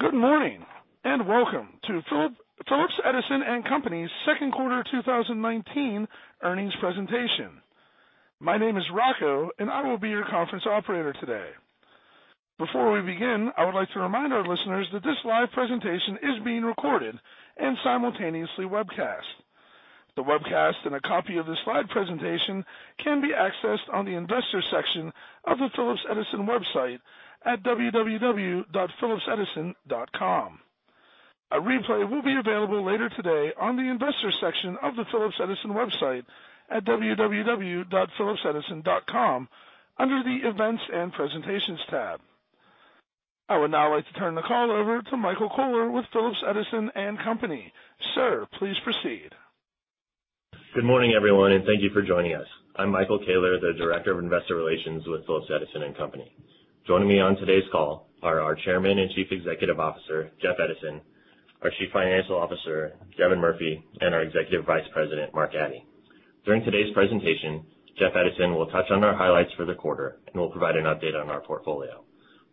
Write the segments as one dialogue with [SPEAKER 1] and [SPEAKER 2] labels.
[SPEAKER 1] Good morning, welcome to Phillips Edison & Company's second quarter 2019 earnings presentation. My name is Rocco, I will be your conference operator today. Before we begin, I would like to remind our listeners that this live presentation is being recorded and simultaneously webcast. The webcast and a copy of the slide presentation can be accessed on the investor section of the Phillips Edison website at www.phillipsedison.com. A replay will be available later today on the investor section of the Phillips Edison website at www.phillipsedison.com under the Events and Presentations tab. I would now like to turn the call over to Michael Koehler with Phillips Edison & Company. Sir, please proceed.
[SPEAKER 2] Good morning, everyone, and thank you for joining us. I'm Michael Koehler, the Director of Investor Relations with Phillips Edison & Company. Joining me on today's call are our Chairman and Chief Executive Officer, Jeff Edison, our Chief Financial Officer, Devin Murphy, and our Executive Vice President, Mark Addy. During today's presentation, Jeff Edison will touch on our highlights for the quarter and will provide an update on our portfolio.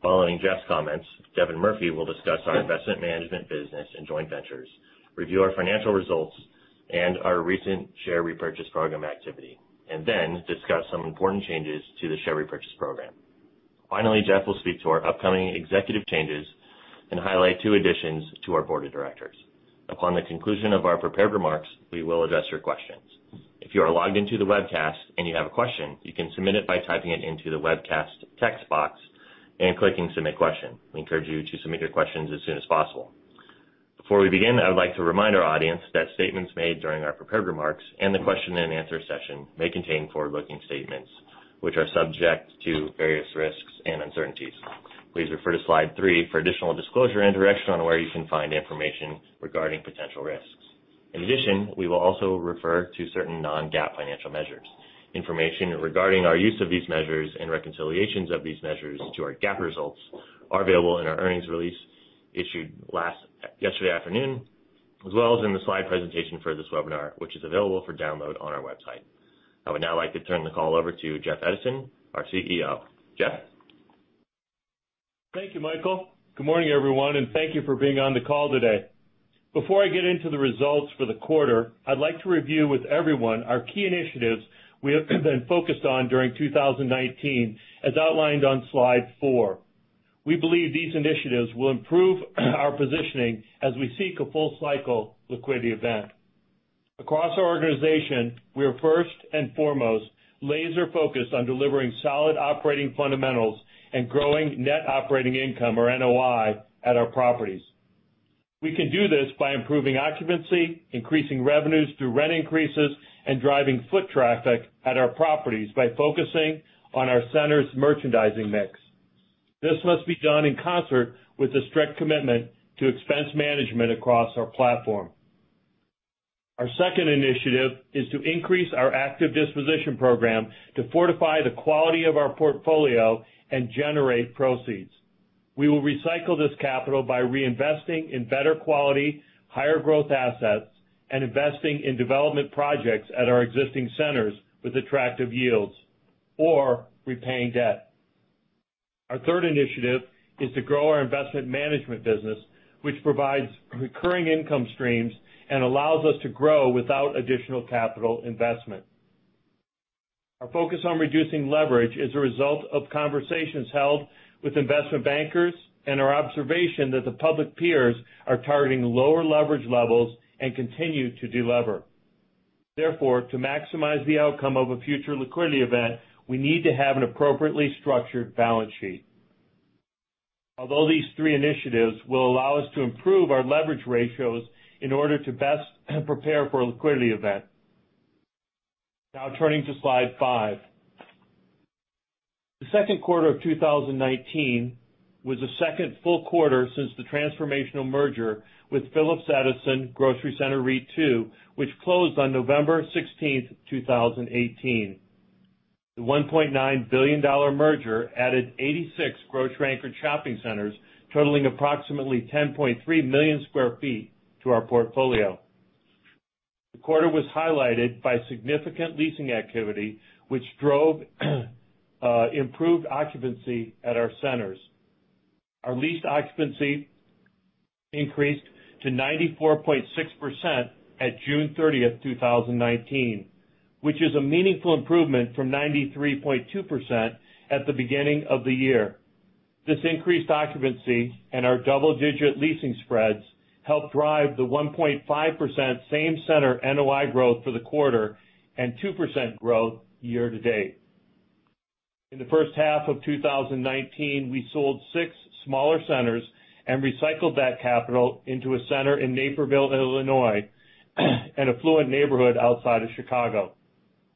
[SPEAKER 2] Following Jeff's comments, Devin Murphy will discuss our investment management business and joint ventures, review our financial results and our recent share repurchase program activity, and then discuss some important changes to the share repurchase program. Finally, Jeff will speak to our upcoming executive changes and highlight two additions to our board of directors. Upon the conclusion of our prepared remarks, we will address your questions. If you are logged into the webcast and you have a question, you can submit it by typing it into the webcast text box and clicking Submit Question. We encourage you to submit your questions as soon as possible. Before we begin, I would like to remind our audience that statements made during our prepared remarks and the question and answer session may contain forward-looking statements, which are subject to various risks and uncertainties. Please refer to slide three for additional disclosure and direction on where you can find information regarding potential risks. In addition, we will also refer to certain non-GAAP financial measures. Information regarding our use of these measures and reconciliations of these measures to our GAAP results are available in our earnings release issued yesterday afternoon, as well as in the slide presentation for this webinar, which is available for download on our website. I would now like to turn the call over to Jeff Edison, our CEO. Jeff?
[SPEAKER 3] Thank you, Michael. Good morning, everyone, thank you for being on the call today. Before I get into the results for the quarter, I'd like to review with everyone our key initiatives we have been focused on during 2019, as outlined on slide four. We believe these initiatives will improve our positioning as we seek a full cycle liquidity event. Across our organization, we are first and foremost laser-focused on delivering solid operating fundamentals and growing net operating income, or NOI, at our properties. We can do this by improving occupancy, increasing revenues through rent increases, and driving foot traffic at our properties by focusing on our center's merchandising mix. This must be done in concert with a strict commitment to expense management across our platform. Our second initiative is to increase our active disposition program to fortify the quality of our portfolio and generate proceeds. We will recycle this capital by reinvesting in better quality, higher growth assets and investing in development projects at our existing centers with attractive yields or repaying debt. Our third initiative is to grow our investment management business, which provides recurring income streams and allows us to grow without additional capital investment. Our focus on reducing leverage is a result of conversations held with investment bankers and our observation that the public peers are targeting lower leverage levels and continue to de-lever. To maximize the outcome of a future liquidity event, we need to have an appropriately structured balance sheet. These three initiatives will allow us to improve our leverage ratios in order to best prepare for a liquidity event. Turning to slide five. The second quarter of 2019 was the second full quarter since the transformational merger with Phillips Edison Grocery Center REIT II, which closed on November 16th, 2018. The $1.9 billion merger added 86 grocery-anchored shopping centers, totaling approximately 10.3 million sq ft to our portfolio. The quarter was highlighted by significant leasing activity, which drove improved occupancy at our centers. Our leased occupancy increased to 94.6% at June 30th, 2019, which is a meaningful improvement from 93.2% at the beginning of the year. This increased occupancy and our double-digit leasing spreads helped drive the 1.5% same center NOI growth for the quarter and 2% growth year to date. In the first half of 2019, we sold six smaller centers and recycled that capital into a center in Naperville, Illinois, an affluent neighborhood outside of Chicago.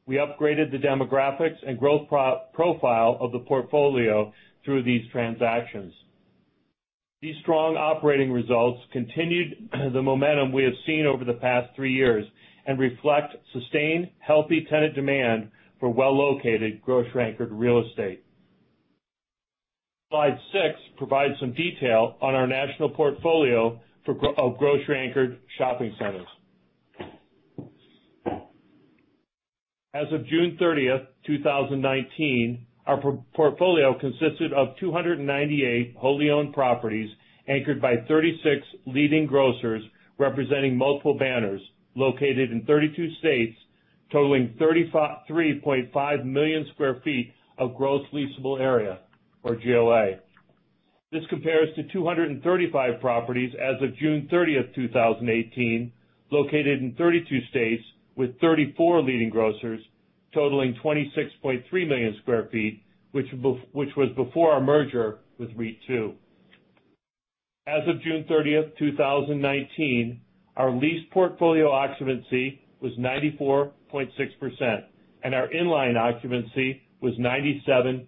[SPEAKER 3] We upgraded the demographics and growth profile of the portfolio through these transactions. These strong operating results continued the momentum we have seen over the past three years and reflect sustained, healthy tenant demand for well-located grocery-anchored real estate. Slide six provides some detail on our national portfolio of grocery-anchored shopping centers. As of June 30th, 2019, our portfolio consisted of 298 wholly owned properties, anchored by 36 leading grocers representing multiple banners located in 32 states, totaling 33.5 million square feet of gross leasable area, or GLA. This compares to 235 properties as of June 30th, 2018, located in 32 states with 34 leading grocers, totaling 26.3 million square feet, which was before our merger with REIT II. As of June 30th, 2019, our leased portfolio occupancy was 94.6%, and our in-line occupancy was 97.9%.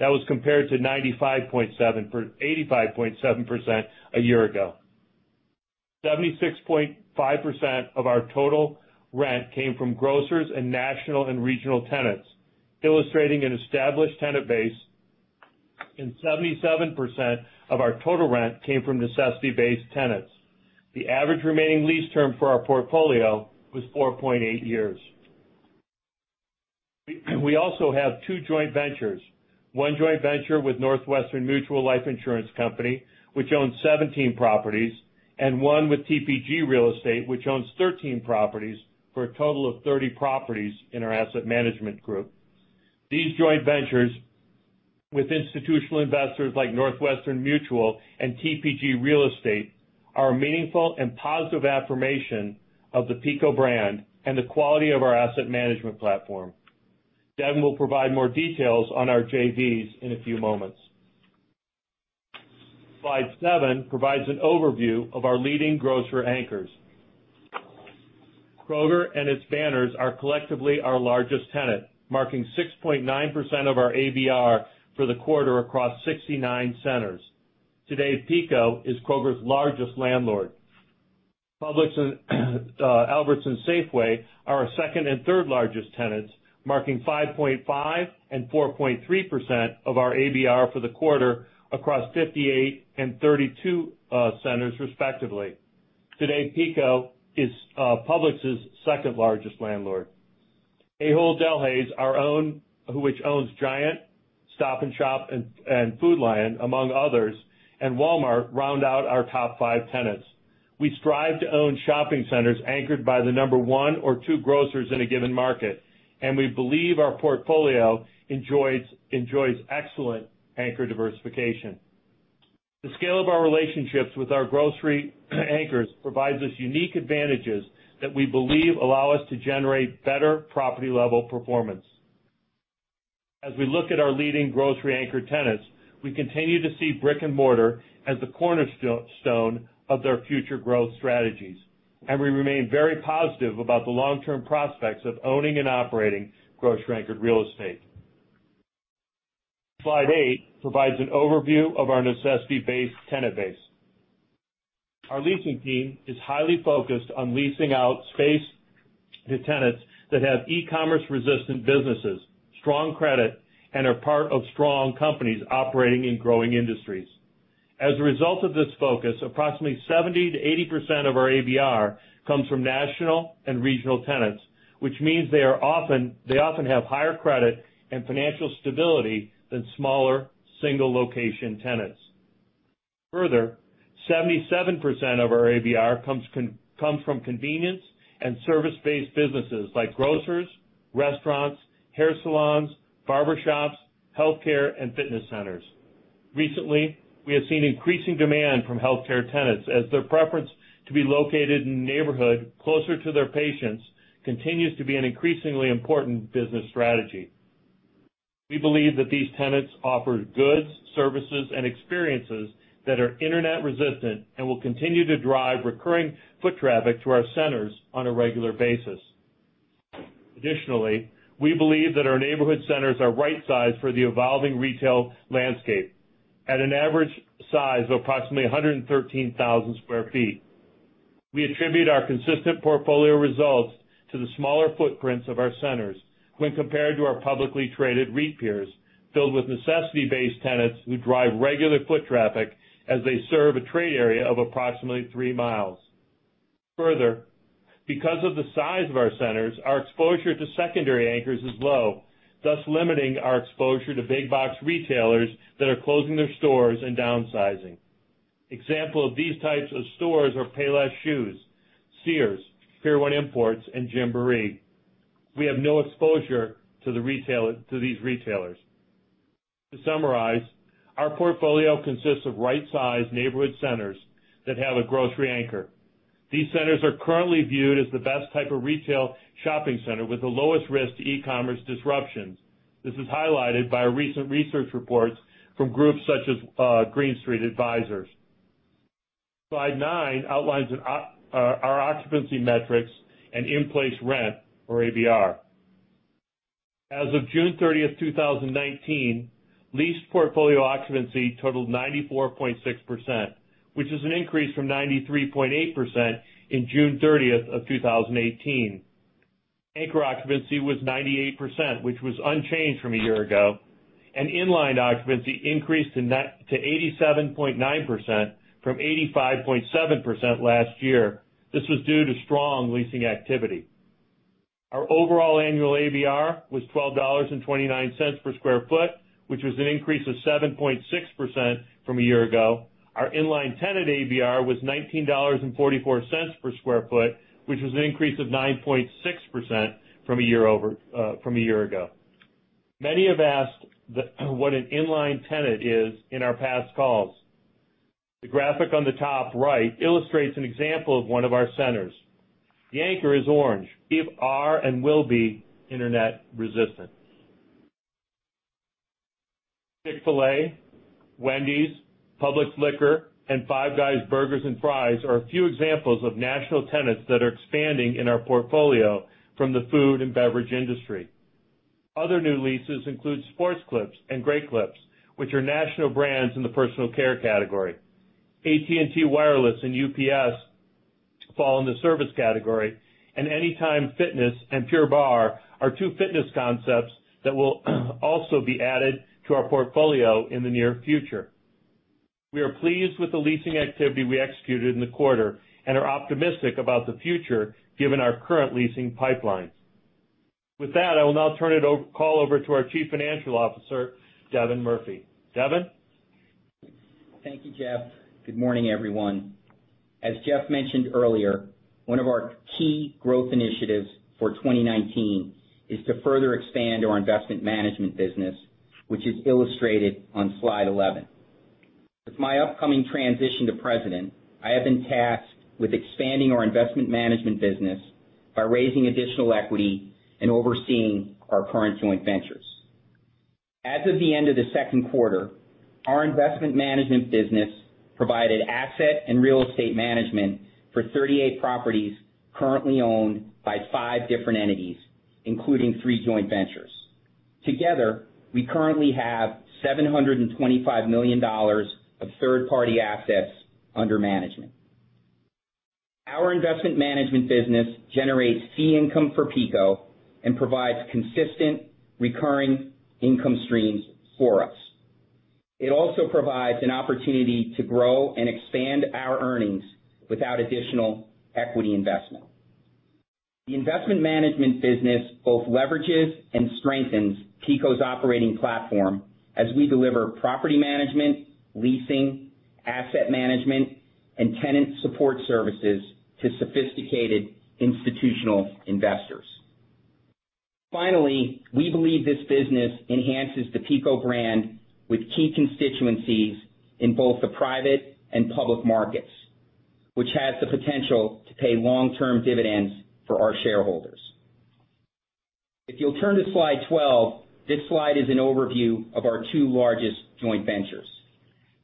[SPEAKER 3] That was compared to 85.7% a year ago. 76.5% of our total rent came from grocers and national and regional tenants, illustrating an established tenant base, and 77% of our total rent came from necessity-based tenants. The average remaining lease term for our portfolio was 4.8 years. We also have two joint ventures, one joint venture with Northwestern Mutual Life Insurance Company, which owns 17 properties, and one with TPG Real Estate, which owns 13 properties for a total of 30 properties in our asset management group. These joint ventures with institutional investors like Northwestern Mutual and TPG Real Estate are a meaningful and positive affirmation of the PECO brand and the quality of our asset management platform. Devin will provide more details on our JVs in a few moments. Slide seven provides an overview of our leading grocer anchors. Kroger and its banners are collectively our largest tenant, marking 6.9% of our ABR for the quarter across 69 centers. Today, PECO is Kroger's largest landlord. Publix and Albertsons/Safeway are our second and third largest tenants, marking 5.5% and 4.3% of our ABR for the quarter across 58 and 32 centers respectively. Today, PECO is Publix's second largest landlord. Ahold Delhaize, which owns Giant, Stop & Shop, and Food Lion, among others, and Walmart round out our top five tenants. We strive to own shopping centers anchored by the number one or two grocers in a given market, and we believe our portfolio enjoys excellent anchor diversification. The scale of our relationships with our grocery anchors provides us unique advantages that we believe allow us to generate better property-level performance. As we look at our leading grocery anchor tenants, we continue to see brick and mortar as the cornerstone of their future growth strategies, we remain very positive about the long-term prospects of owning and operating grocery-anchored real estate. Slide eight provides an overview of our necessity-based tenant base. Our leasing team is highly focused on leasing out space to tenants that have e-commerce resistant businesses, strong credit, and are part of strong companies operating in growing industries. As a result of this focus, approximately 70%-80% of our ABR comes from national and regional tenants, which means they often have higher credit and financial stability than smaller single-location tenants. Further, 77% of our ABR comes from convenience and service-based businesses like grocers, restaurants, hair salons, barber shops, healthcare, and fitness centers. Recently, we have seen increasing demand from healthcare tenants as their preference to be located in the neighborhood closer to their patients continues to be an increasingly important business strategy. We believe that these tenants offer goods, services, and experiences that are internet resistant and will continue to drive recurring foot traffic to our centers on a regular basis. Additionally, we believe that our neighborhood centers are right-sized for the evolving retail landscape at an average size of approximately 113,000 sq ft. We attribute our consistent portfolio results to the smaller footprints of our centers when compared to our publicly traded REIT peers, filled with necessity-based tenants who drive regular foot traffic as they serve a trade area of approximately three mi. Further, because of the size of our centers, our exposure to secondary anchors is low, thus limiting our exposure to big box retailers that are closing their stores and downsizing. Example of these types of stores are Payless ShoeSource, Sears, Pier 1 Imports, and Gymboree. We have no exposure to these retailers. To summarize, our portfolio consists of right-sized neighborhood centers that have a grocery anchor. These centers are currently viewed as the best type of retail shopping center with the lowest risk to e-commerce disruptions. This is highlighted by recent research reports from groups such as Green Street Advisors. Slide nine outlines our occupancy metrics and in-place rent or ABR. As of June 30, 2019, leased portfolio occupancy totaled 94.6%, which is an increase from 93.8% in June 30, 2018. Anchor occupancy was 98%, which was unchanged from a year ago. In-line occupancy increased to 87.9% from 85.7% last year. This was due to strong leasing activity. Our overall annual ABR was $12.29 per square foot, which was an increase of 7.6% from a year ago. Our in-line tenant ABR was $19.44 per square foot, which was an increase of 9.6% from a year ago. Many have asked what an in-line tenant is in our past calls. The graphic on the top right illustrates an example of one of our centers. The anchor is orange. We are and will be internet resistant. Chick-fil-A, Wendy's, Publix Liquors, and Five Guys Burgers and Fries are a few examples of national tenants that are expanding in our portfolio from the food and beverage industry. Other new leases include Sport Clips and Great Clips, which are national brands in the personal care category. AT&T Wireless and UPS fall in the service category, Anytime Fitness and Pure Barre are two fitness concepts that will also be added to our portfolio in the near future. We are pleased with the leasing activity we executed in the quarter and are optimistic about the future given our current leasing pipeline. With that, I will now turn the call over to our Chief Financial Officer, Devin Murphy. Devin?
[SPEAKER 4] Thank you, Jeff. Good morning, everyone. As Jeff mentioned earlier, one of our key growth initiatives for 2019 is to further expand our investment management business, which is illustrated on slide 11. With my upcoming transition to president, I have been tasked with expanding our investment management business by raising additional equity and overseeing our current joint ventures. As of the end of the second quarter, our investment management business provided asset and real estate management for 38 properties currently owned by five different entities, including three joint ventures. Together, we currently have $725 million of third-party assets under management. Our investment management business generates fee income for PECO and provides consistent recurring income streams for us. It also provides an opportunity to grow and expand our earnings without additional equity investment. The investment management business both leverages and strengthens PECO's operating platform as we deliver property management, leasing, asset management, and tenant support services to sophisticated institutional investors. Finally, we believe this business enhances the PECO brand with key constituencies in both the private and public markets, which has the potential to pay long-term dividends for our shareholders. If you'll turn to slide 12, this slide is an overview of our two largest joint ventures.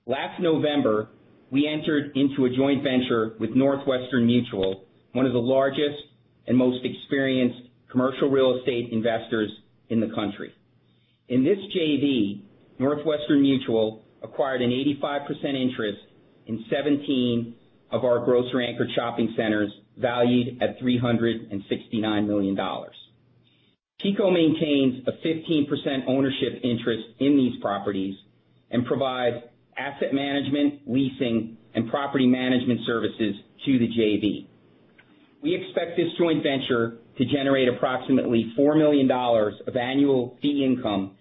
[SPEAKER 4] Last November, we entered into a joint venture with Northwestern Mutual, one of the largest and most experienced commercial real estate investors in the country. In this JV, Northwestern Mutual acquired an 85% interest in 17 of our grocery anchor shopping centers valued at $369 million. PECO maintains a 15% ownership interest in these properties and provides asset management, leasing, and property management services to the JV. We expect this joint venture to generate approximately $4 million of annual fee income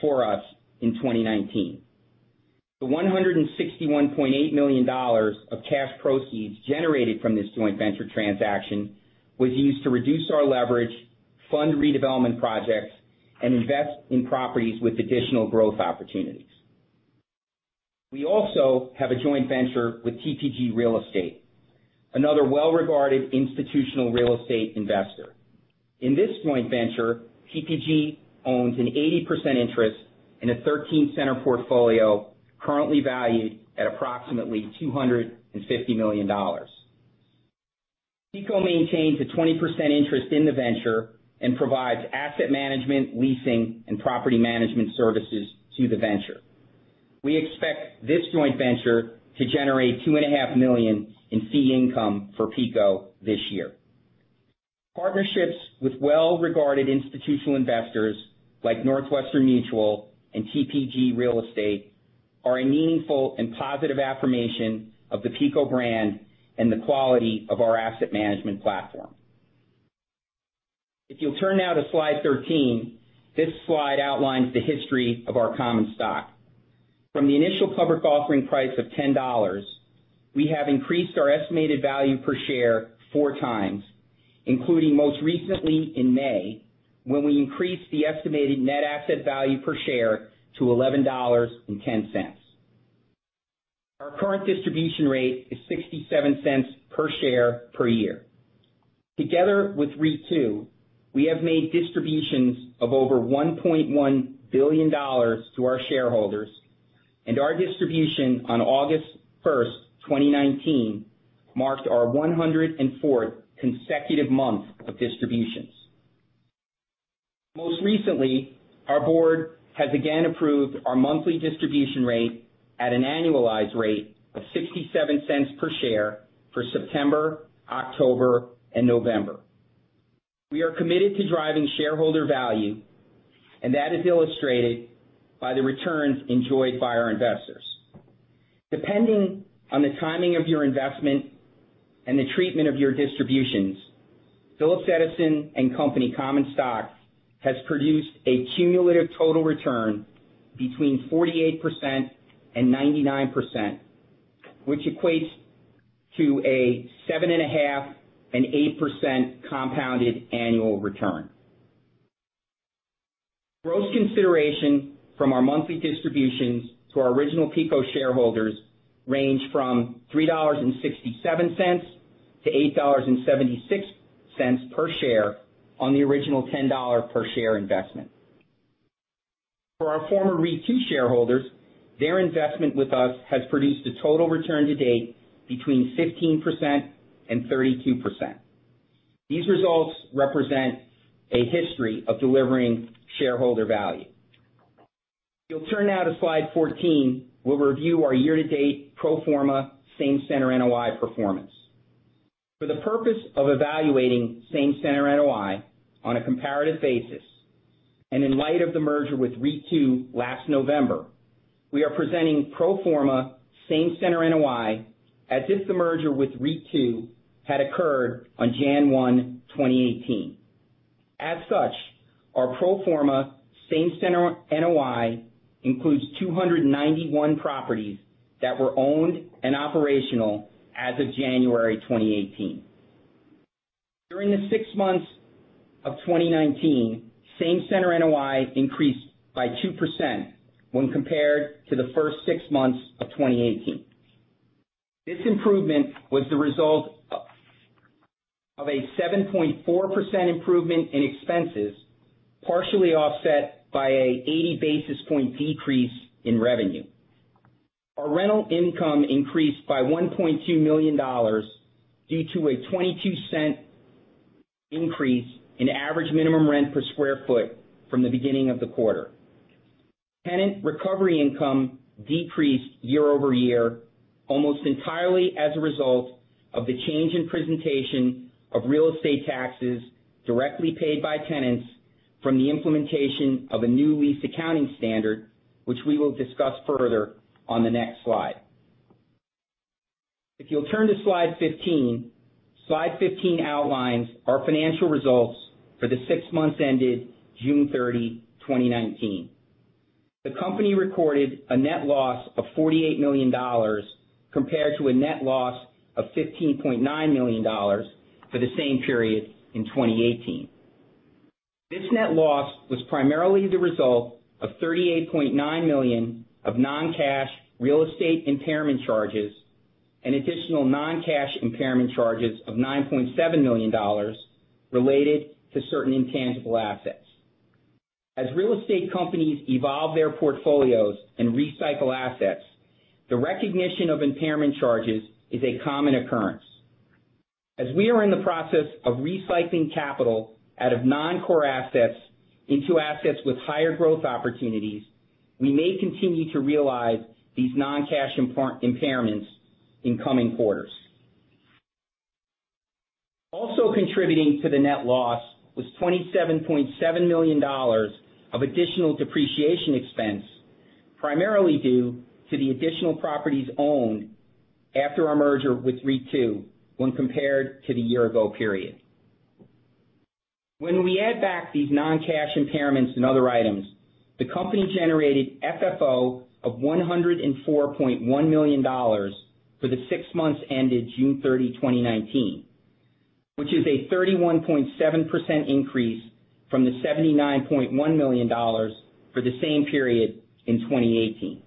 [SPEAKER 4] for us in 2019. The $161.8 million of cash proceeds generated from this joint venture transaction was used to reduce our leverage, fund redevelopment projects, and invest in properties with additional growth opportunities. We also have a joint venture with TPG Real Estate, another well-regarded institutional real estate investor. In this joint venture, TPG owns an 80% interest in a 13-center portfolio currently valued at approximately $250 million. PECO maintains a 20% interest in the venture and provides asset management, leasing, and property management services to the venture. We expect this joint venture to generate $2.5 million in fee income for PECO this year. Partnerships with well-regarded institutional investors like Northwestern Mutual and TPG Real Estate are a meaningful and positive affirmation of the PECO brand and the quality of our asset management platform. If you'll turn now to slide 13, this slide outlines the history of our common stock. From the initial public offering price of $10, we have increased our estimated value per share four times, including most recently in May, when we increased the estimated net asset value per share to $11.10. Our current distribution rate is $0.67 per share per year. Together with REIT II, we have made distributions of over $1.1 billion to our shareholders, and our distribution on August 1st, 2019, marked our 104th consecutive month of distributions. Most recently, our board has again approved our monthly distribution rate at an annualized rate of $0.67 per share for September, October, and November. We are committed to driving shareholder value, and that is illustrated by the returns enjoyed by our investors. Depending on the timing of your investment and the treatment of your distributions, Phillips Edison & Company common stock has produced a cumulative total return between 48% and 99%, which equates to a 7.5% and 8% compounded annual return. Gross consideration from our monthly distributions to our original PECO shareholders range from $3.67-$8.76 per share on the original $10 per share investment. For our former REIT II shareholders, their investment with us has produced a total return to date between 15% and 32%. These results represent a history of delivering shareholder value. If you'll turn now to slide 14, we'll review our year-to-date pro forma same-center NOI performance. For the purpose of evaluating same-center NOI on a comparative basis, and in light of the merger with REIT II last November, we are presenting pro forma same-center NOI as if the merger with REIT II had occurred on January 1, 2018. As such, our pro forma same-center NOI includes 291 properties that were owned and operational as of January 2018. During the six months of 2019, same-center NOI increased by 2% when compared to the first six months of 2018. This improvement was the result of a 7.4% improvement in expenses, partially offset by a 80-basis-point decrease in revenue. Our rental income increased by $1.2 million due to a $0.22 increase in average minimum rent per sq ft from the beginning of the quarter. Tenant recovery income decreased year-over-year almost entirely as a result of the change in presentation of real estate taxes directly paid by tenants from the implementation of a new lease accounting standard, which we will discuss further on the next slide. If you'll turn to slide 15, slide 15 outlines our financial results for the six months ended June 30, 2019. The company recorded a net loss of $48 million compared to a net loss of $15.9 million for the same period in 2018. This net loss was primarily the result of $38.9 million of non-cash real estate impairment charges and additional non-cash impairment charges of $9.7 million related to certain intangible assets. As real estate companies evolve their portfolios and recycle assets, the recognition of impairment charges is a common occurrence. As we are in the process of recycling capital out of non-core assets into assets with higher growth opportunities, we may continue to realize these non-cash impairments in coming quarters. Contributing to the net loss was $27.7 million of additional depreciation expense, primarily due to the additional properties owned after our merger with REIT II when compared to the year-ago period. When we add back these non-cash impairments and other items, the company generated FFO of $104.1 million for the six months ended June 30, 2019, which is a 31.7% increase from the $79.1 million for the same period in 2018.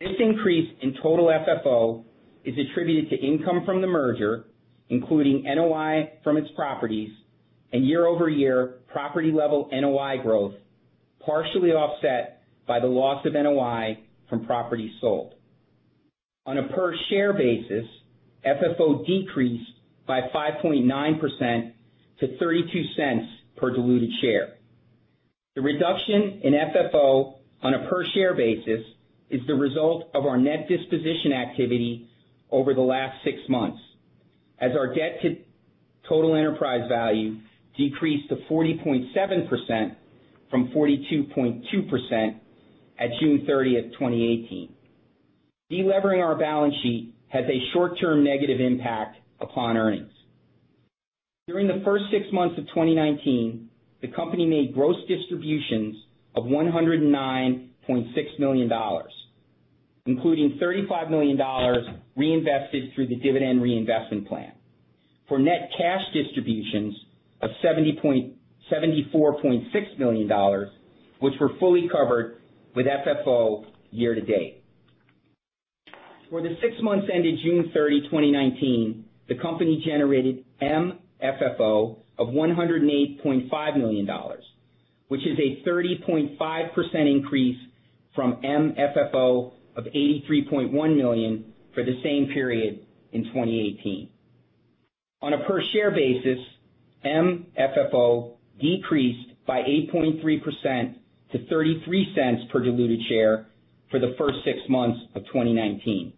[SPEAKER 4] This increase in total FFO is attributed to income from the merger, including NOI from its properties and year-over-year property-level NOI growth, partially offset by the loss of NOI from properties sold. On a per share basis, FFO decreased by 5.9% to $0.32 per diluted share. The reduction in FFO on a per share basis is the result of our net disposition activity over the last six months as our debt-to-total enterprise value decreased to 40.7% from 42.2% at June 30, 2018. Delevering our balance sheet has a short-term negative impact upon earnings. During the first six months of 2019, the company made gross distributions of $109.6 million, including $35 million reinvested through the dividend reinvestment plan for net cash distributions of $74.6 million, which were fully covered with FFO year to date. For the six months ended June 30, 2019, the company generated MFFO of $108.5 million, which is a 30.5% increase from MFFO of $83.1 million for the same period in 2018. On a per share basis, MFFO decreased by 8.3% to $0.33 per diluted share for the first six months of 2019.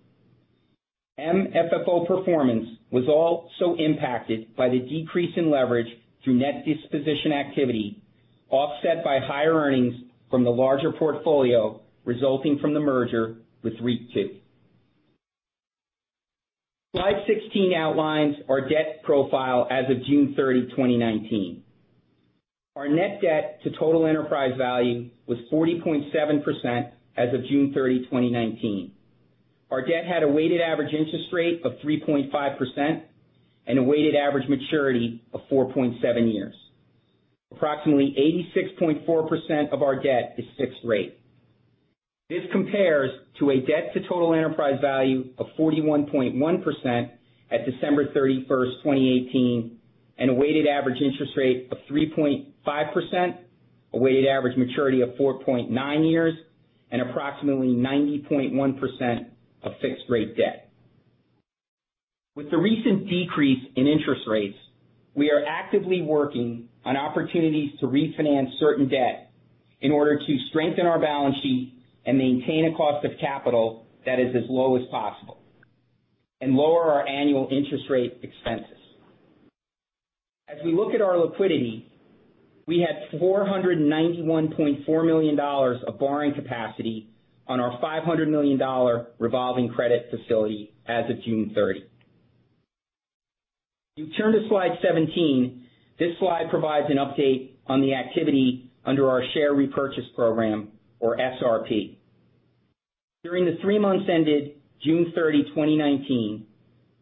[SPEAKER 4] MFFO performance was also impacted by the decrease in leverage through net disposition activity, offset by higher earnings from the larger portfolio resulting from the merger with REIT II. Slide 16 outlines our debt profile as of June 30, 2019. Our net debt to total enterprise value was 40.7% as of June 30, 2019. Our debt had a weighted average interest rate of 3.5% and a weighted average maturity of 4.7 years. Approximately 86.4% of our debt is fixed rate. This compares to a debt to total enterprise value of 41.1% at December 31, 2018, and a weighted average interest rate of 3.5%, a weighted average maturity of 4.9 years, and approximately 90.1% of fixed rate debt. With the recent decrease in interest rates, we are actively working on opportunities to refinance certain debt in order to strengthen our balance sheet and maintain a cost of capital that is as low as possible and lower our annual interest rate expenses. As we look at our liquidity, we had $491.4 million of borrowing capacity on our $500 million revolving credit facility as of June 30. If you turn to slide 17, this slide provides an update on the activity under our share repurchase program, or SRP. During the three months ended June 30, 2019,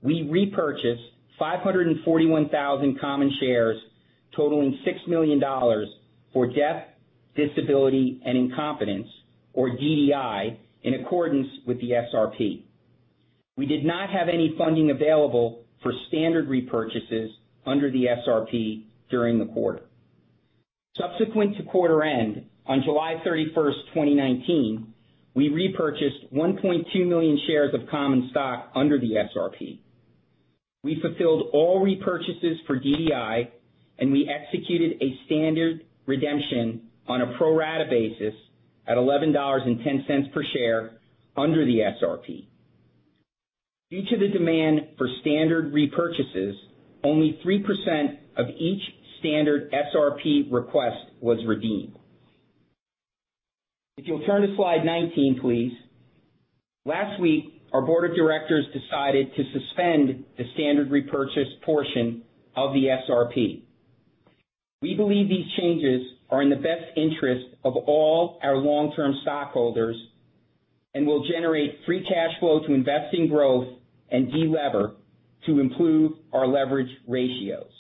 [SPEAKER 4] we repurchased 541,000 common shares totaling $6 million for death, disability, and incompetence, or DDI, in accordance with the SRP. We did not have any funding available for standard repurchases under the SRP during the quarter. Subsequent to quarter end, on July 31st, 2019, we repurchased 1.2 million shares of common stock under the SRP. We fulfilled all repurchases for DDI, and we executed a standard redemption on a pro rata basis at $11.10 per share under the SRP. Due to the demand for standard repurchases, only 3% of each standard SRP request was redeemed. If you'll turn to slide 19, please. Last week, our board of directors decided to suspend the standard repurchase portion of the SRP. We believe these changes are in the best interest of all our long-term stockholders and will generate free cash flow to invest in growth and de-lever to improve our leverage ratios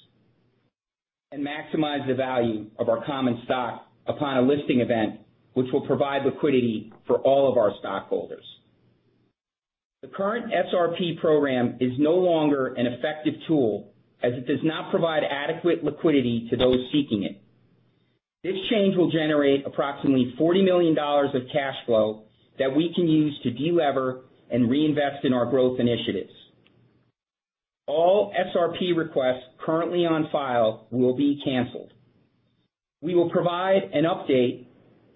[SPEAKER 4] and maximize the value of our common stock upon a listing event, which will provide liquidity for all of our stockholders. The current SRP program is no longer an effective tool as it does not provide adequate liquidity to those seeking it. This change will generate approximately $40 million of cash flow that we can use to de-lever and reinvest in our growth initiatives. All SRP requests currently on file will be canceled. We will provide an update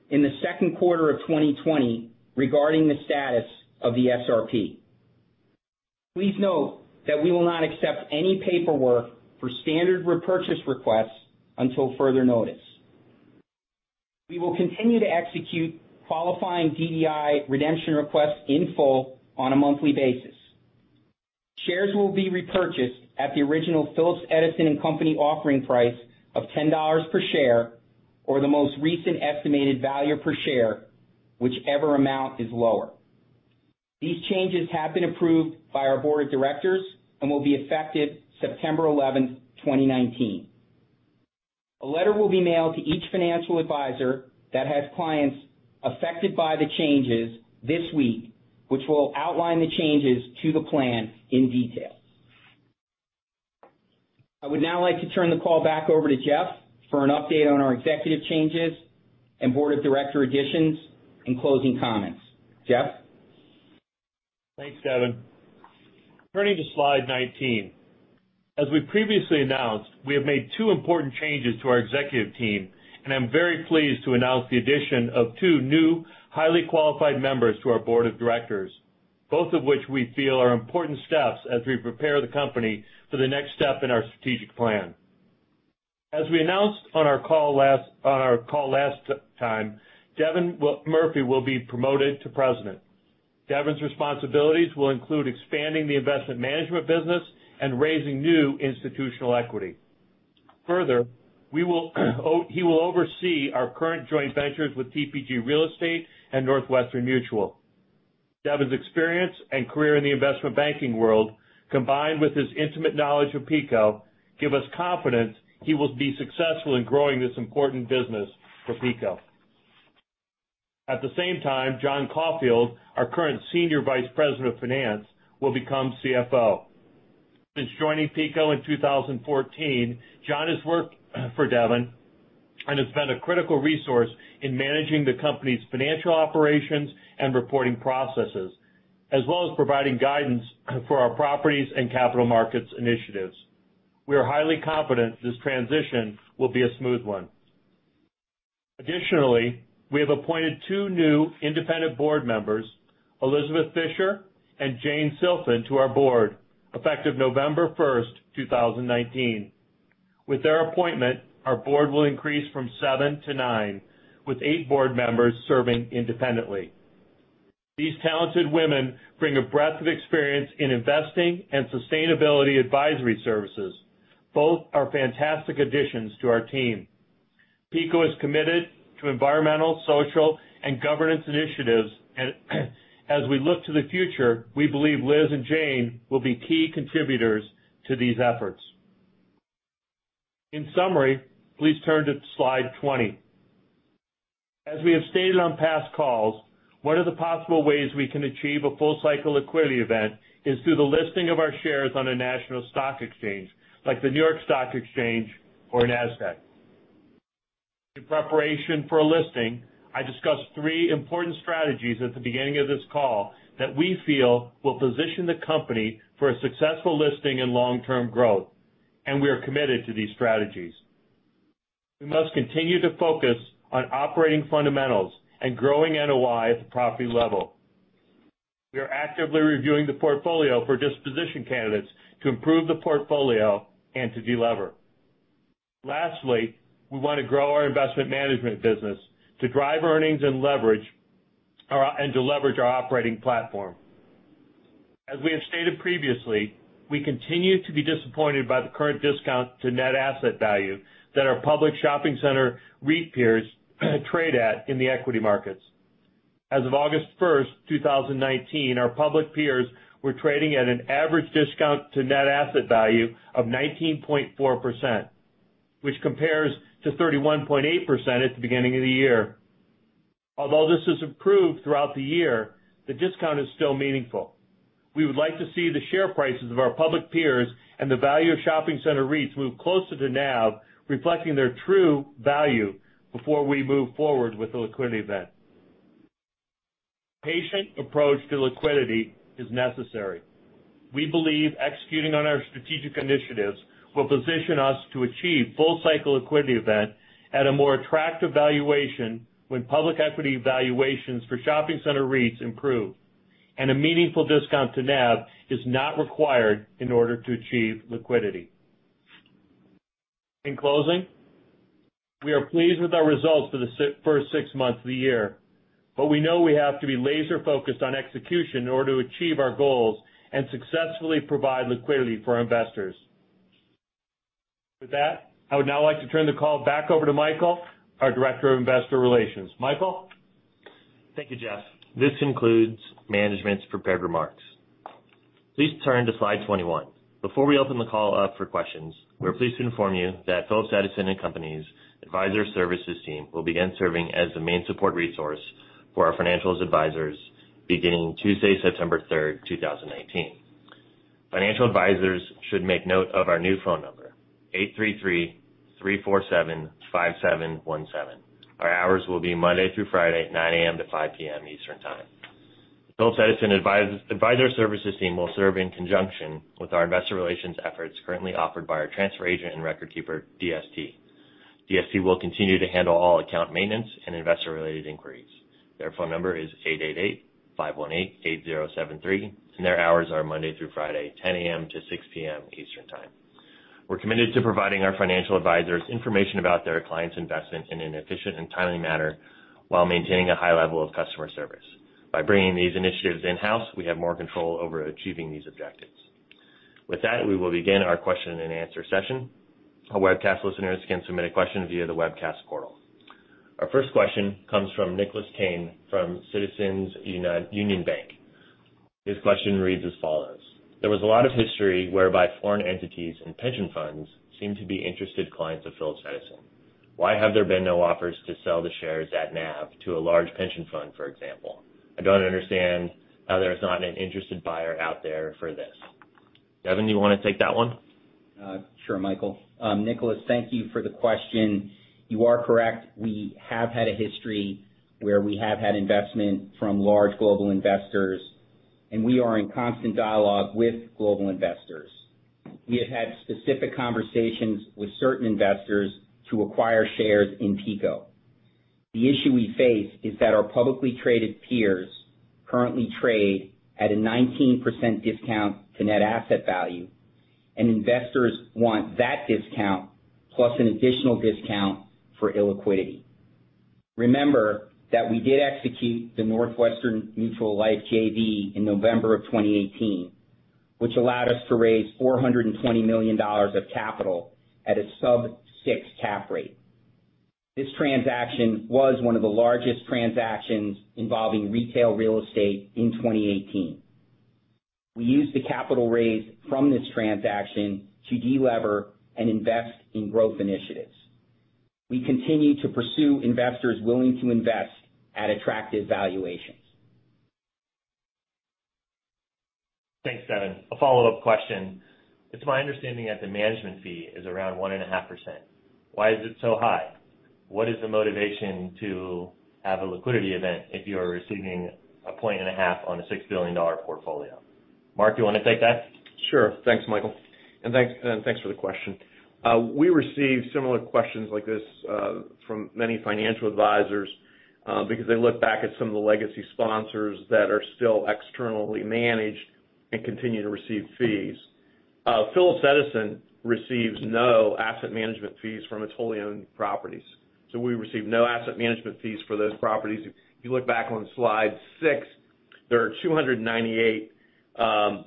[SPEAKER 4] in the second quarter of 2020 regarding the status of the SRP. Please note that we will not accept any paperwork for standard repurchase requests until further notice. We will continue to execute qualifying DDI redemption requests in full on a monthly basis. Shares will be repurchased at the original Phillips Edison & Company offering price of $10 per share or the most recent estimated value per share, whichever amount is lower. These changes have been approved by our board of directors and will be effective September 11th, 2019. A letter will be mailed to each financial advisor that has clients affected by the changes this week, which will outline the changes to the plan in detail. I would now like to turn the call back over to Jeff for an update on our executive changes and board of director additions and closing comments. Jeff?
[SPEAKER 3] Thanks, Devin. Turning to slide 19. As we previously announced, we have made two important changes to our executive team, and I'm very pleased to announce the addition of two new highly qualified members to our board of directors, both of which we feel are important steps as we prepare the company for the next step in our strategic plan. As we announced on our call last time, Devin Murphy will be promoted to president. Devin's responsibilities will include expanding the investment management business and raising new institutional equity. Further, he will oversee our current joint ventures with TPG Real Estate and Northwestern Mutual. Devin's experience and career in the investment banking world, combined with his intimate knowledge of PECO, give us confidence he will be successful in growing this important business for PECO. At the same time, John Caulfield, our current Senior Vice President of Finance, will become CFO. Since joining PECO in 2014, John has worked for Devin and has been a critical resource in managing the company's financial operations and reporting processes, as well as providing guidance for our properties and capital markets initiatives. We are highly confident this transition will be a smooth one. Additionally, we have appointed two new independent board members, Elizabeth Fischer and Jane Silfen, to our board, effective November 1st, 2019. With their appointment, our board will increase from seven to nine, with eight board members serving independently. These talented women bring a breadth of experience in investing and sustainability advisory services. Both are fantastic additions to our team. PECO is committed to environmental, social, and governance initiatives. As we look to the future, we believe Liz and Jane will be key contributors to these efforts. In summary, please turn to slide 20. As we have stated on past calls, one of the possible ways we can achieve a full-cycle liquidity event is through the listing of our shares on a national stock exchange, like the New York Stock Exchange or NASDAQ. In preparation for a listing, I discussed three important strategies at the beginning of this call that we feel will position the company for a successful listing and long-term growth, and we are committed to these strategies. We must continue to focus on operating fundamentals and growing NOI at the property level. We are actively reviewing the portfolio for disposition candidates to improve the portfolio and to de-lever. Lastly, we want to grow our investment management business to drive earnings and to leverage our operating platform. As we have stated previously, we continue to be disappointed by the current discount to net asset value that our public shopping center REIT peers trade at in the equity markets. As of August 1st, 2019, our public peers were trading at an average discount to net asset value of 19.4%, which compares to 31.8% at the beginning of the year. Although this has improved throughout the year, the discount is still meaningful. We would like to see the share prices of our public peers and the value of shopping center REITs move closer to NAV, reflecting their true value before we move forward with the liquidity event. Patient approach to liquidity is necessary. We believe executing on our strategic initiatives will position us to achieve full-cycle liquidity event at a more attractive valuation when public equity valuations for shopping center REITs improve, and a meaningful discount to NAV is not required in order to achieve liquidity. In closing, we are pleased with our results for the first six months of the year, but we know we have to be laser-focused on execution in order to achieve our goals and successfully provide liquidity for our investors. With that, I would now like to turn the call back over to Michael, our Director of Investor Relations. Michael?
[SPEAKER 2] Thank you, Jeff. This concludes management's prepared remarks. Please turn to slide 21. Before we open the call up for questions, we're pleased to inform you that Phillips Edison & Company's Advisor Services team will begin serving as the main support resource for our financial advisors beginning Tuesday, September 3rd, 2019. Financial advisors should make note of our new phone number, 833-347-5717. Our hours will be Monday through Friday, 9:00 A.M. to 5:00 P.M. Eastern Time. Phillips Edison Advisor Services team will serve in conjunction with our investor relations efforts currently offered by our transfer agent and record keeper, DST. DST will continue to handle all account maintenance and investor-related inquiries. Their phone number is 888-518-8073. Their hours are Monday through Friday, 10:00 A.M. to 6:00 P.M. Eastern Time. We're committed to providing our financial advisors information about their clients' investment in an efficient and timely manner while maintaining a high level of customer service. By bringing these initiatives in-house, we have more control over achieving these objectives. With that, we will begin our question and answer session. Our webcast listeners can submit a question via the webcast portal. Our first question comes from Nikolas Kane from Citizens Union Bank. His question reads as follows. There was a lot of history whereby foreign entities and pension funds seem to be interested clients of Phillips Edison. Why have there been no offers to sell the shares at NAV to a large pension fund, for example? I don't understand how there's not an interested buyer out there for this. Devin, do you want to take that one?
[SPEAKER 4] Sure, Michael. Nicholas, thank you for the question. You are correct. We have had a history where we have had investment from large global investors, and we are in constant dialogue with global investors. We have had specific conversations with certain investors to acquire shares in PECO. The issue we face is that our publicly traded peers currently trade at a 19% discount to net asset value, and investors want that discount plus an additional discount for illiquidity. Remember that we did execute the Northwestern Mutual Life JV in November of 2018, which allowed us to raise $420 million of capital at a sub six cap rate. This transaction was one of the largest transactions involving retail real estate in 2018. We used the capital raised from this transaction to de-lever and invest in growth initiatives. We continue to pursue investors willing to invest at attractive valuations.
[SPEAKER 2] Thanks, Devin. A follow-up question. It's my understanding that the management fee is around 1.5%. Why is it so high? What is the motivation to have a liquidity event if you are receiving a point and a half on a $6 billion portfolio? Mark, do you want to take that?
[SPEAKER 5] Sure. Thanks, Michael, and thanks for the question. We receive similar questions like this from many financial advisors because they look back at some of the legacy sponsors that are still externally managed and continue to receive fees. Phillips Edison receives no asset management fees from its wholly-owned properties. We receive no asset management fees for those properties. If you look back on slide six, there are 298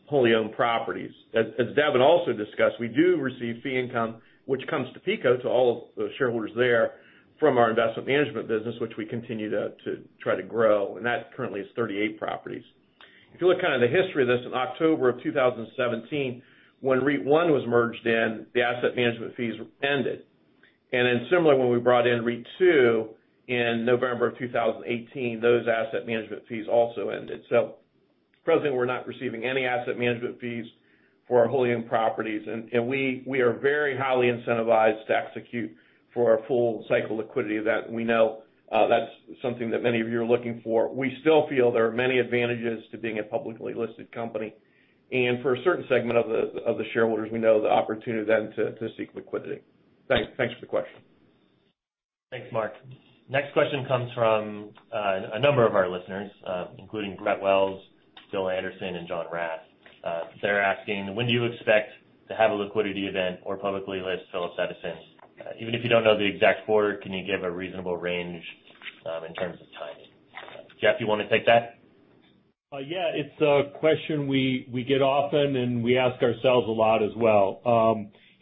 [SPEAKER 5] wholly-owned properties. As Devin also discussed, we do receive fee income, which comes to PECO, to all the shareholders there, from our investment management business, which we continue to try to grow. That currently is 38 properties. If you look kind of the history of this, in October of 2017, when REIT I was merged in, the asset management fees ended. Similarly, when we brought in REIT II in November of 2018, those asset management fees also ended. Presently, we're not receiving any asset management fees for our wholly-owned properties. We are very highly incentivized to execute for our full-cycle liquidity event. We know that's something that many of you are looking for. We still feel there are many advantages to being a publicly listed company. For a certain segment of the shareholders, we know the opportunity then to seek liquidity. Thanks for the question.
[SPEAKER 2] Thanks, Mark. Next question comes from a number of our listeners, including [Bret Wells], Bill Anderson, and [John Rath]. They're asking, when do you expect to have a liquidity event or publicly list Phillips Edison? Even if you don't know the exact quarter, can you give a reasonable range in terms of timing? Jeff, you want to take that?
[SPEAKER 3] Yeah. It's a question we get often, and we ask ourselves a lot as well.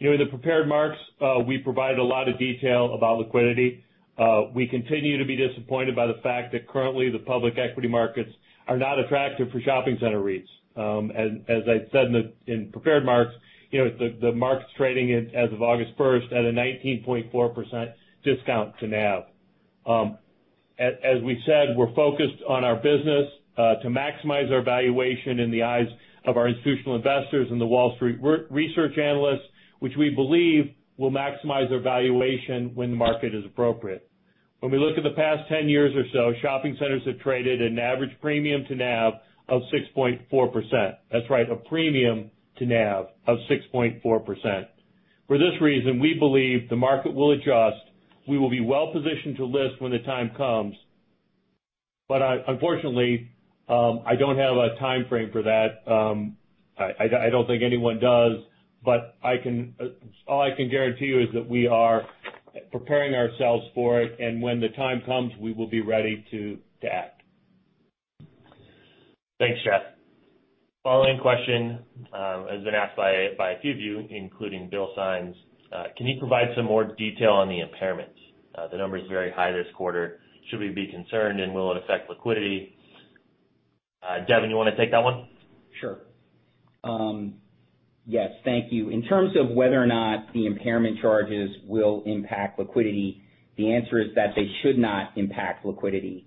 [SPEAKER 3] In the prepared marks, we provided a lot of detail about liquidity. We continue to be disappointed by the fact that currently the public equity markets are not attractive for shopping center REITs. As I said in the prepared marks, the market's trading as of August 1st at a 19.4% discount to NAV. As we said, we're focused on our business to maximize our valuation in the eyes of our institutional investors and the Wall Street research analysts, which we believe will maximize our valuation when the market is appropriate. When we look at the past 10 years or so, shopping centers have traded an average premium to NAV of 6.4%. That's right, a premium to NAV of 6.4%. For this reason, we believe the market will adjust. We will be well-positioned to list when the time comes. Unfortunately, I don't have a timeframe for that. I don't think anyone does. All I can guarantee you is that we are preparing ourselves for it, and when the time comes, we will be ready to act.
[SPEAKER 2] Thanks, Jeff. Following question has been asked by a few of you, including Bill Symons. Can you provide some more detail on the impairments? The number is very high this quarter. Should we be concerned, and will it affect liquidity? Devin, you want to take that one?
[SPEAKER 4] Sure. Yes, thank you. In terms of whether or not the impairment charges will impact liquidity, the answer is that they should not impact liquidity.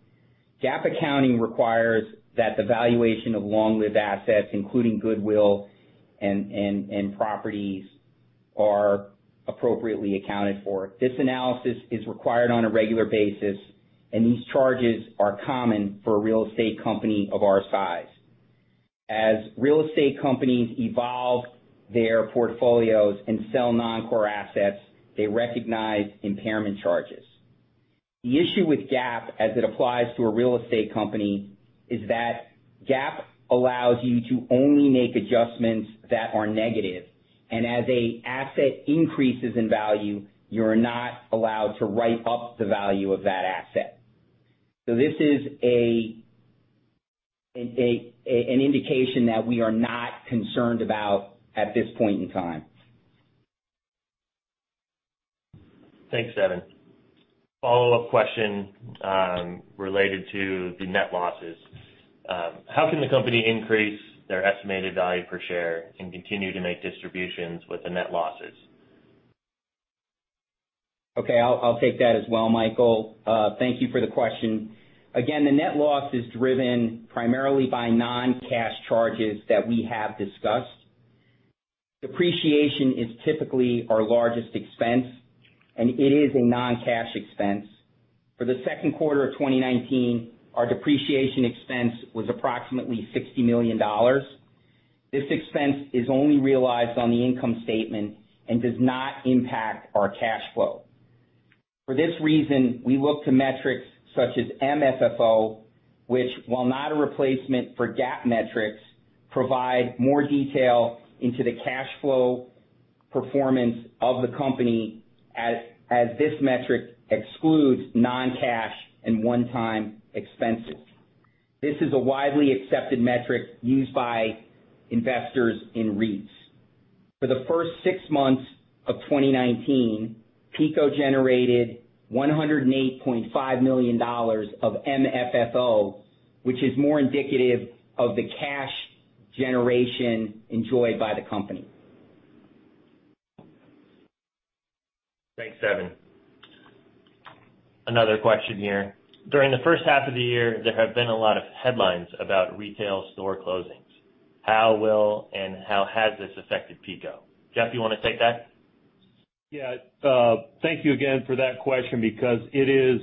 [SPEAKER 4] GAAP accounting requires that the valuation of long-lived assets, including goodwill and properties, are appropriately accounted for. This analysis is required on a regular basis, and these charges are common for a real estate company of our size. As real estate companies evolve their portfolios and sell non-core assets, they recognize impairment charges. The issue with GAAP as it applies to a real estate company is that GAAP allows you to only make adjustments that are negative, and as a asset increases in value, you're not allowed to write up the value of that asset. This is an indication that we are not concerned about at this point in time.
[SPEAKER 2] Thanks, Devin. Follow-up question related to the net losses. How can the company increase their estimated value per share and continue to make distributions with the net losses?
[SPEAKER 4] Okay. I'll take that as well, Michael. Thank you for the question. The net loss is driven primarily by non-cash charges that we have discussed. Depreciation is typically our largest expense, and it is a non-cash expense. For the second quarter of 2019, our depreciation expense was approximately $60 million. This expense is only realized on the income statement and does not impact our cash flow. For this reason, we look to metrics such as MFFO, which while not a replacement for GAAP metrics, provide more detail into the cash flow performance of the company as this metric excludes non-cash and one-time expenses. This is a widely accepted metric used by investors in REITs. For the first six months of 2019, PECO generated $108.5 million of MFFO, which is more indicative of the cash generation enjoyed by the company.
[SPEAKER 2] Thanks, Devin. Another question here. During the first half of the year, there have been a lot of headlines about retail store closings. How will and how has this affected PECO? Jeff, you want to take that?
[SPEAKER 3] Yeah. Thank you again for that question, because it is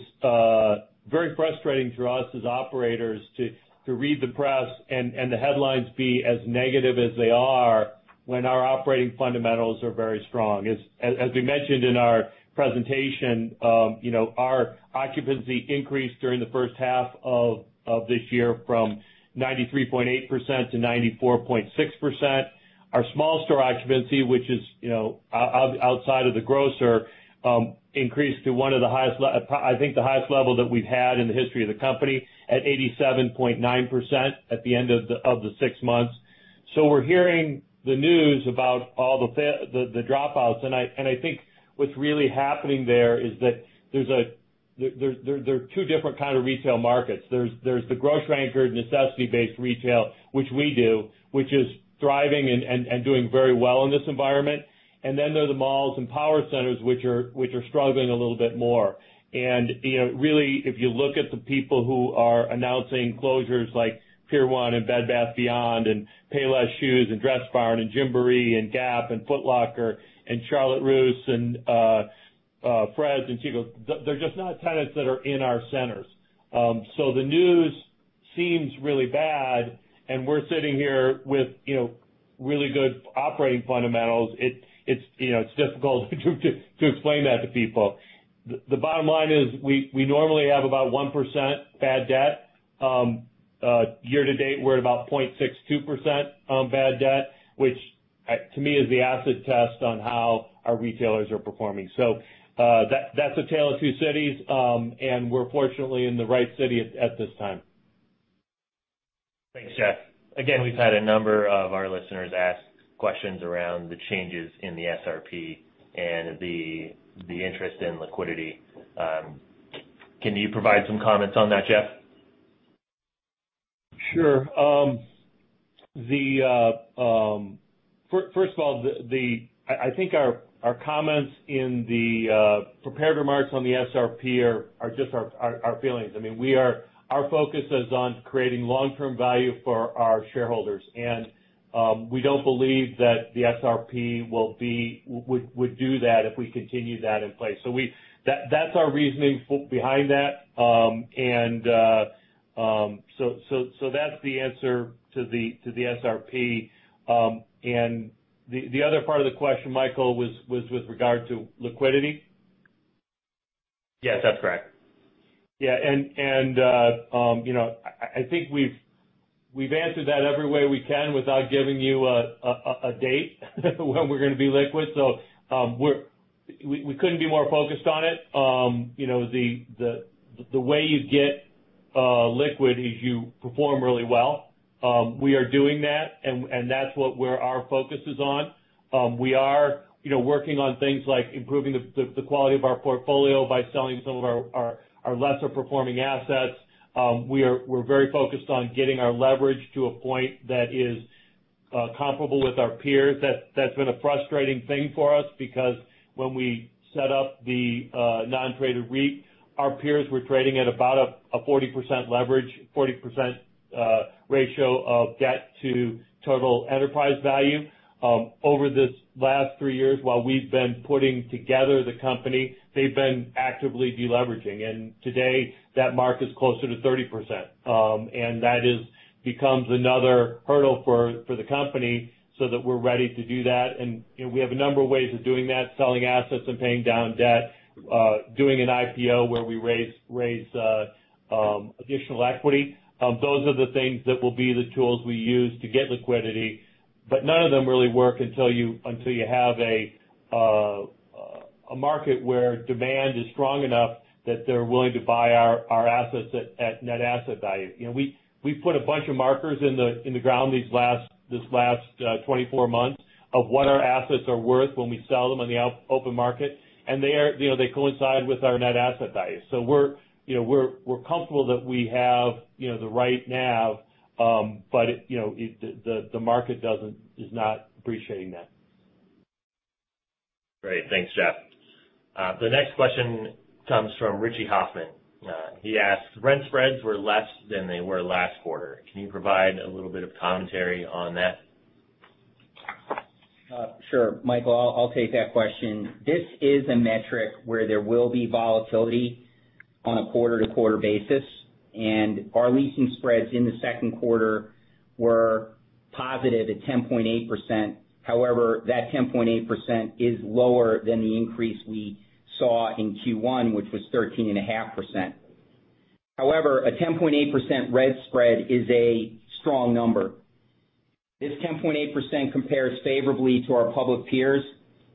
[SPEAKER 3] very frustrating for us as operators to read the press and the headlines be as negative as they are when our operating fundamentals are very strong. As we mentioned in our presentation, our occupancy increased during the first half of this year from 93.8% to 94.6%. Our small store occupancy, which is outside of the grocer, increased to, I think, the highest level that we've had in the history of the company, at 87.9% at the end of the six months. We're hearing the news about all the dropouts, and I think what's really happening there is that there are two different kind of retail markets. There's the grocery-anchored, necessity-based retail, which we do, which is thriving and doing very well in this environment. There are the malls and power centers, which are struggling a little bit more. Really, if you look at the people who are announcing closures, like Pier 1 and Bed Bath & Beyond and Payless Shoes and Dress Barn and Gymboree and Gap and Foot Locker and Charlotte Russe and Fred's and TGIF, they're just not tenants that are in our centers. The news seems really bad, and we're sitting here with really good operating fundamentals. It's difficult to explain that to people. The bottom line is, we normally have about 1% bad debt. Year to date, we're at about 0.62% bad debt, which to me is the acid test on how our retailers are performing. That's the tale of two cities. We're fortunately in the right city at this time.
[SPEAKER 2] Thanks, Jeff. We've had a number of our listeners ask questions around the changes in the SRP and the interest in liquidity. Can you provide some comments on that, Jeff?
[SPEAKER 3] Sure. First of all, I think our comments in the prepared remarks on the SRP are just our feelings. Our focus is on creating long-term value for our shareholders, and we don't believe that the SRP would do that if we continue that in place. That's our reasoning behind that, and so that's the answer to the SRP. The other part of the question, Michael, was with regard to liquidity?
[SPEAKER 2] Yes, that's correct.
[SPEAKER 3] Yeah. I think we've answered that every way we can without giving you a date when we're going to be liquid. We couldn't be more focused on it. The way you get liquid is you perform really well. We are doing that, and that's where our focus is on. We are working on things like improving the quality of our portfolio by selling some of our lesser-performing assets. We're very focused on getting our leverage to a point that is comparable with our peers. That's been a frustrating thing for us because when we set up the non-traded REIT, our peers were trading at about a 40% leverage, 40% ratio of debt to total enterprise value. Over this last three years, while we've been putting together the company, they've been actively de-leveraging. Today, that mark is closer to 30%, and that becomes another hurdle for the company so that we're ready to do that. We have a number of ways of doing that, selling assets and paying down debt, doing an IPO where we raise additional equity. Those are the things that will be the tools we use to get liquidity. None of them really work until you have a market where demand is strong enough that they're willing to buy our assets at net asset value. We've put a bunch of markers in the ground these last 24 months of what our assets are worth when we sell them on the open market, and they coincide with our net asset value. We're comfortable that we have the right nav, but the market is not appreciating that.
[SPEAKER 2] Great. Thanks, Jeff. The next question comes from Richie Hoffman. He asks, "Rent spreads were less than they were last quarter. Can you provide a little bit of commentary on that?
[SPEAKER 4] Sure. Michael, I'll take that question. This is a metric where there will be volatility on a quarter-over-quarter basis, and our leasing spreads in the second quarter were positive at 10.8%. However, that 10.8% is lower than the increase we saw in Q1, which was 13.5%. However, a 10.8% rent spread is a strong number. This 10.8% compares favorably to our public peers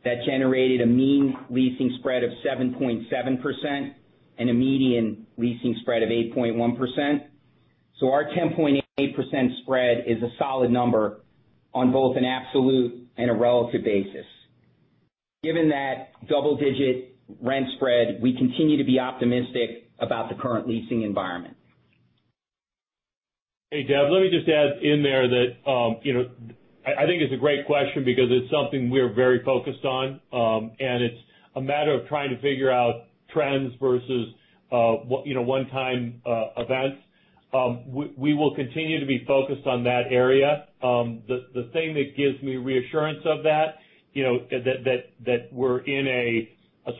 [SPEAKER 4] that generated a mean leasing spread of 7.7% and a median leasing spread of 8.1%. Our 10.8% spread is a solid number on both an absolute and a relative basis. Given that double-digit rent spread, we continue to be optimistic about the current leasing environment.
[SPEAKER 3] Hey, Dev, let me just add in there that I think it's a great question because it's something we're very focused on. It's a matter of trying to figure out trends versus one-time events. We will continue to be focused on that area. The thing that gives me reassurance of that we're in a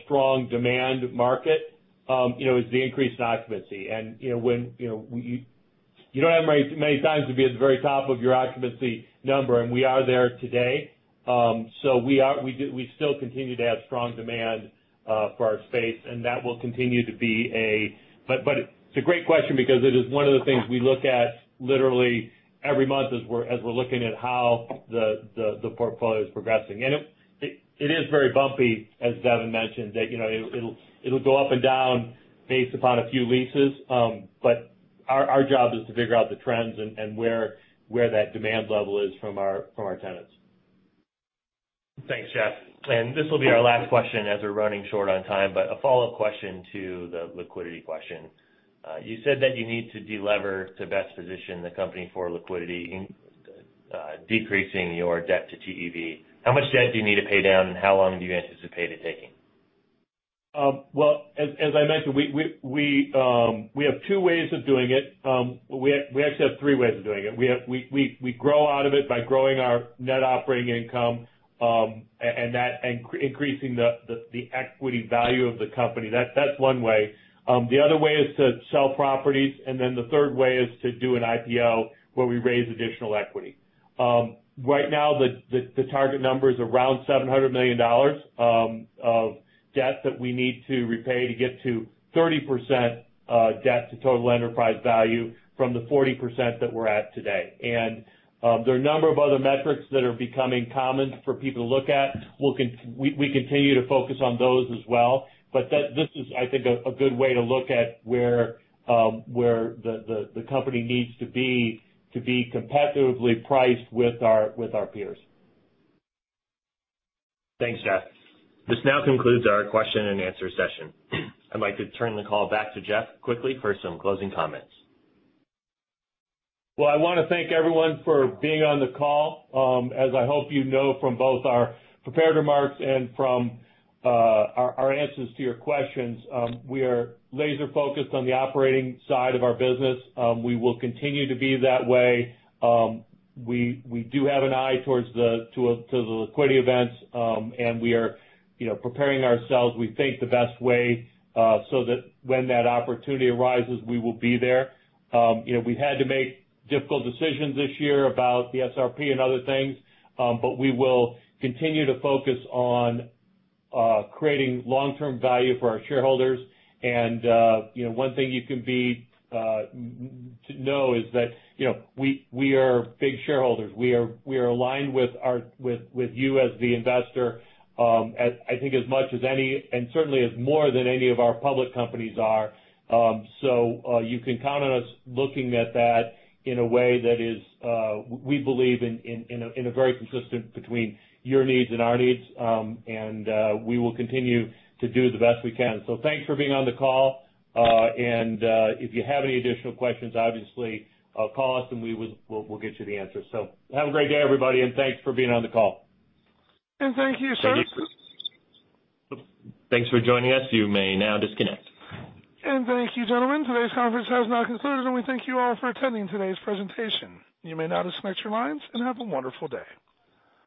[SPEAKER 3] strong demand market, is the increased occupancy. You don't have many times to be at the very top of your occupancy number, and we are there today. We still continue to have strong demand for our space. It's a great question because it is one of the things we look at literally every month as we're looking at how the portfolio is progressing. It is very bumpy, as Devin mentioned, that it'll go up and down based upon a few leases. Our job is to figure out the trends and where that demand level is from our tenants.
[SPEAKER 2] Thanks, Jeff. This will be our last question as we're running short on time, but a follow-up question to the liquidity question. You said that you need to delever to best position the company for liquidity, decreasing your debt to TEV. How much debt do you need to pay down, and how long do you anticipate it taking?
[SPEAKER 3] Well, as I mentioned, we have two ways of doing it. We actually have three ways of doing it. We grow out of it by growing our net operating income, and increasing the equity value of the company. That's one way. The other way is to sell properties, and then the third way is to do an IPO where we raise additional equity. Right now, the target number is around $700 million of debt that we need to repay to get to 30% debt to total enterprise value from the 40% that we're at today. There are a number of other metrics that are becoming common for people to look at. We continue to focus on those as well. This is, I think, a good way to look at where the company needs to be competitively priced with our peers.
[SPEAKER 2] Thanks, Jeff. This now concludes our question and answer session. I'd like to turn the call back to Jeff quickly for some closing comments.
[SPEAKER 3] Well, I want to thank everyone for being on the call. As I hope you know from both our prepared remarks and from our answers to your questions, we are laser-focused on the operating side of our business. We will continue to be that way. We do have an eye towards the liquidity events, and we are preparing ourselves, we think, the best way, so that when that opportunity arises, we will be there. We've had to make difficult decisions this year about the SRP and other things. We will continue to focus on creating long-term value for our shareholders. One thing you can know is that we are big shareholders. We are aligned with you as the investor, I think, as much as any, and certainly as more than any of our public companies are. You can count on us looking at that in a way that is, we believe, in a very consistent between your needs and our needs. We will continue to do the best we can. Thanks for being on the call. If you have any additional questions, obviously call us and we'll get you the answers. Have a great day, everybody, and thanks for being on the call.
[SPEAKER 1] Thank you, sir.
[SPEAKER 2] Thanks for joining us. You may now disconnect.
[SPEAKER 1] Thank you, gentlemen. Today's conference has now concluded, and we thank you all for attending today's presentation. You may now disconnect your lines and have a wonderful day.